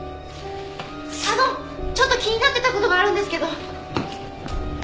あのちょっと気になってた事があるんですけど。